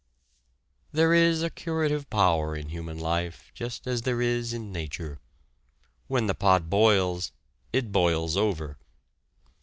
There is a curative power in human life just as there is in nature. When the pot boils it boils over.